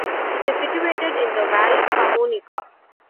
It is situated in the Val Camonica.